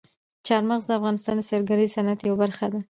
چار مغز د افغانستان د سیلګرۍ د صنعت یوه برخه ده.